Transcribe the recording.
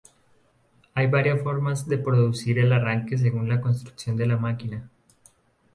Hay varias formas de producir el arranque según la construcción de la máquina.